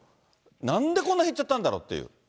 なんでこんなに減っちゃったんだろうっていう。